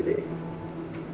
jadi gue applying